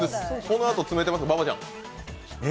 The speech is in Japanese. このあと詰めてます。